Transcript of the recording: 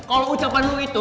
kalau ucapan lo itu